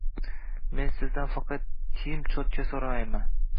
Men sizdan faqat kiyim cho`tka so`rayman